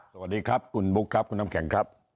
สวัสดีครับคุณบุ๊คครับคุณน้ำแข็งครับ